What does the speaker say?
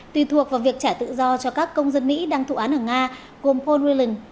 tùy thuộc vào việc trả tự do cho các công dân mỹ đang thụ án ở nga gồm poryland